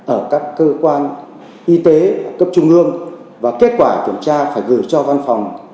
ở các cơ quan y tế cấp trung ương và kết quả kiểm tra phải gửi cho văn phòng